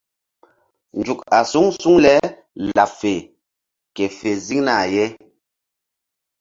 Nzuk a suŋ suŋ le laɓ ke fe ziŋ na ye.